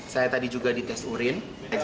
saya tadi juga dites urin